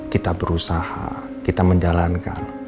kita berusaha kita menjalankan